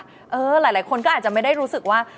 หลายคนก็อาจจะไม่ได้รู้สึกว่า